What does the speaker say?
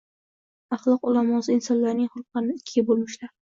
Axloq ulamosi insonlarning xulqlarini ikkiga bo’lmishlar